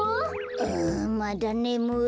あまだねむい。